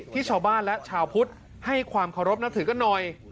ที่ชาวบ้านและชาวพุทธให้ความเคารพนับถือกันหน่อย